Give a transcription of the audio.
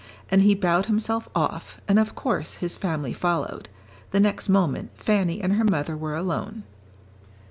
And he bowed himself off, and of course his family followed; the next moment Fanny and her mother were alone.